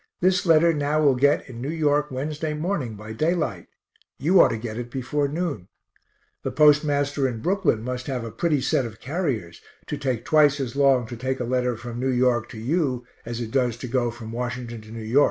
This letter now will get in New York Wednesday morning, by daylight you ought to get it before noon. The postmaster in Brooklyn must have a pretty set of carriers, to take twice as long to take a letter from New York to you as it does to go from Washington to N. Y.